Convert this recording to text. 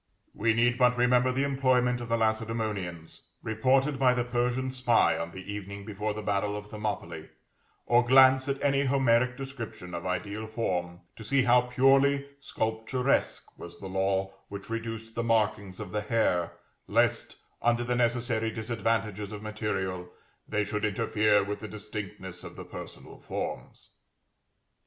We need but remember the employment of the Lacedæmonians, reported by the Persian spy on the evening before the battle of Thermopylæ, or glance at any Homeric description of ideal form, to see how purely sculpturesque was the law which reduced the markings of the hair, lest, under the necessary disadvantages of material, they should interfere with the distinctness of the personal forms.